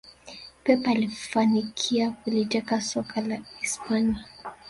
pep alifanikia kuliteka soka la hispania